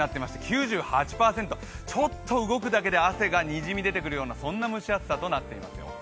９８％、ちょっと動くだけで汗がにじみ出てくるようなそんな蒸し暑さとなっていますよ。